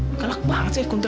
kuntilanak sangat berani